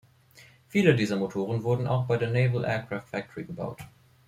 Viele dieser Motoren wurden auch bei der Naval Aircraft Factory gebaut.